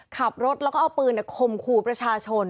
ขับรถแล้วก็เอาปืนเนี่ยคมครูประชาชน